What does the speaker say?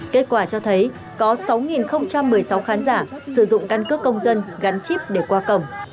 kết quả cho thấy có sáu một mươi sáu khán giả sử dụng căn cước công dân gắn chip để qua cổng